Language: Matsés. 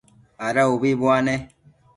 Ada ubi bune?